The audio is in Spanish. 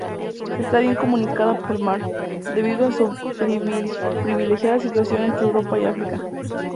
Está bien comunicada por mar, debido a su privilegiada situación entre Europa y África.